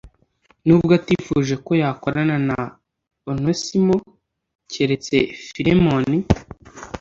nubwo atifuje ko yakorana na Onesimo keretse Filemoni